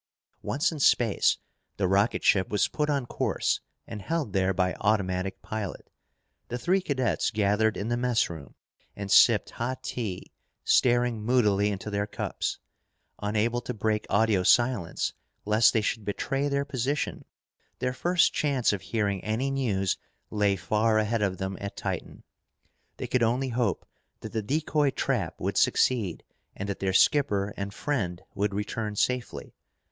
Once in space, the rocket ship was put on course and held there by automatic pilot. The three cadets gathered in the messroom and sipped hot tea, staring moodily into their cups. Unable to break audio silence, lest they should betray their position, their first chance of hearing any news lay far ahead of them at Titan. They could only hope that the decoy trap would succeed and that their skipper and friend would return safely.